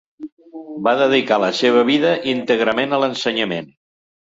Va dedicar la seva vida íntegrament a l’ensenyament.